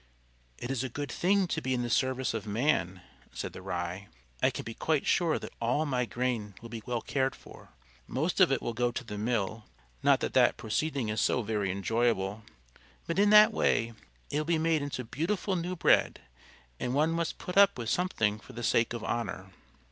"It is a good thing to be in the service of man," said the Rye. "I can be quite sure that all my grain will be well cared for. Most of it will go to the mill: not that that proceeding is so very enjoyable, but in that way it will be made into beautiful new bread, and one must put up with something for the sake of honour.